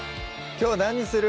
きょう何にする？